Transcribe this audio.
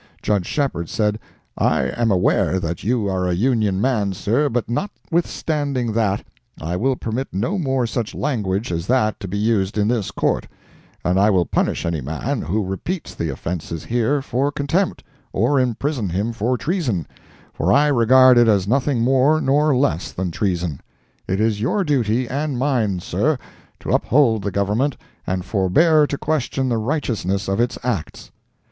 Judge Shepheard said, "I am aware that you are a Union man, Sir, but notwithstanding that, I will permit no more such language as that to be used in this Court; and I will punish any man who repeats the offences here, for contempt, or imprison him for treason, for I regard it as nothing more nor less than treason. It is your duty and mine, Sir, to uphold the Government and forbear to question the righteousness of its acts."